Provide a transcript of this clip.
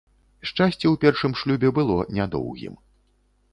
Шчасце ў першым шлюбе было нядоўгім.